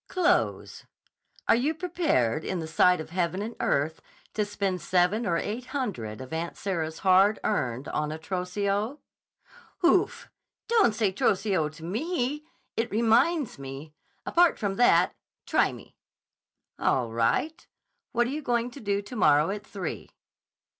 "Clothes. Are you prepared, in the sight of heaven and earth, to spend seven or eight hundred of Aunt Sarah's hard earned on a trousseau?" "Oof! Don't say trousseau to me! It reminds me. Apart from that—try me!" "All right. What are you going to do tomorrow at three?"